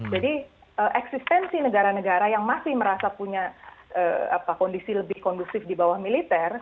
jadi eksistensi negara negara yang masih merasa punya kondisi lebih kondusif di bawah militer